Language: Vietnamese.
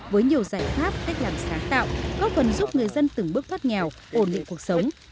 với nhiều giải pháp cách làm sáng tạo góp phần giúp người dân từng bước thoát nghèo ổn định cuộc sống